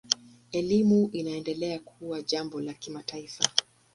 Elimu inaendelea kuwa jambo la kimataifa.